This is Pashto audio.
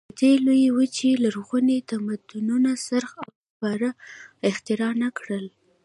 د دې لویې وچې لرغونو تمدنونو څرخ او سپاره اختراع نه کړل.